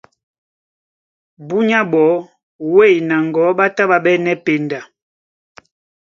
Búnyá ɓɔɔ́ wêy na ŋgɔ̌ ɓá tá ɓá ɓɛ́nɛ́ penda.